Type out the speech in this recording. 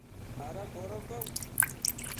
¿ ada codocau?